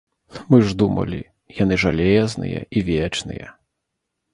Мы ж думалі, яны жалезныя і вечныя.